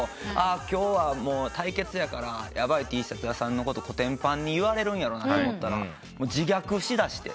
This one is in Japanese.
今日は対決やからヤバイＴシャツ屋さんのことこてんぱんに言われるんやろうなと思ったら自虐しだして。